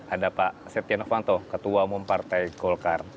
ada pak setia novanto ketua umum partai golkar